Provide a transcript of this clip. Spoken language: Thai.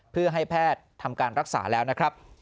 เพื่อให้แพทย์ทำการรักษาแล้วนะครับ